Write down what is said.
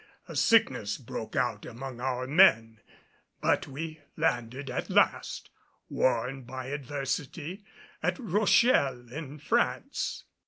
A sickness broke out among our men, but we landed at last, worn by adversity, at Rochelle in France.